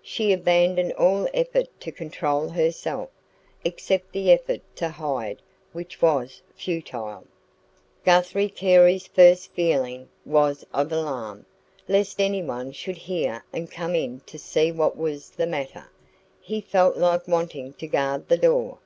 She abandoned all effort to control herself, except the effort to hide, which was futile. Guthrie Carey's first feeling was of alarm, lest anyone should hear and come in to see what was the matter; he felt like wanting to guard the door.